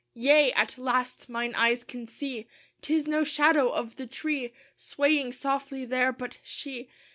Yea! at last mine eyes can see! 'Tis no shadow of the tree Swaying softly there, but she!